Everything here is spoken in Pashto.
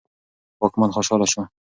واکمن خوشاله شو.